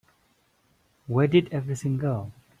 Where did everything go?